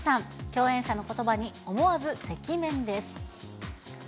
共演者のことばに思わず赤面です。